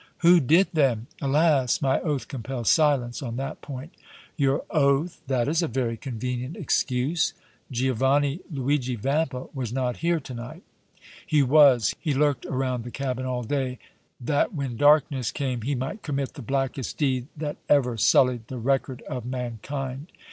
"Who did then?" "Alas! my oath compels silence on that point!" "Your oath! That is a very convenient excuse! Giovanni, Luigi Vampa was not here to night." "He was. He lurked around the cabin all day, that when darkness came he might commit the blackest deed that ever sullied the record of mankind!"